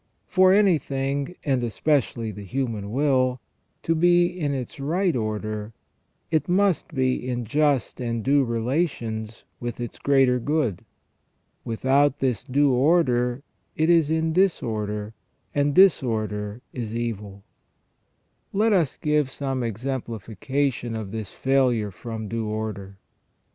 For anything, and especially the human will, to be in its right order, it must be in just and due relations with its greater good. Without this due order it is in disorder, and disorder is evil. Let us give some exemplification of this failure from due order.